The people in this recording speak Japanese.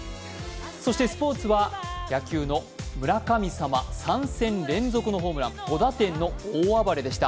そしてスポーツは野球の村神様、３戦連続のホームラン、５打点の大暴れでした。